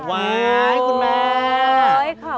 ว้ายคุณแม่